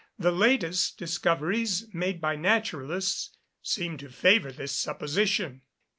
The latest discoveries made by naturalists, seem to favour this supposition.